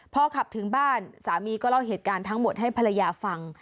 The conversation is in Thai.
พอขับถึงบ้านสามีก็เล่าเหตุการณ์ทั้งหมดให้ภรรยาฟัง